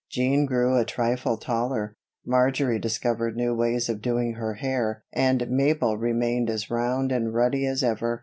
Jean grew a trifle taller, Marjory discovered new ways of doing her hair and Mabel remained as round and ruddy as ever.